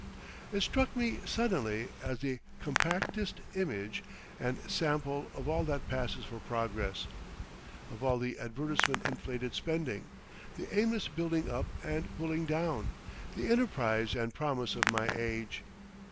It struck me suddenly as the compactest image and sample of all that passes for Progress, of all the advertisement inflated spending, the aimless building up and pulling down, the enterprise and promise of my age.